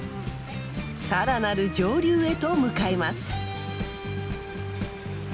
更なる上流へと向かいます。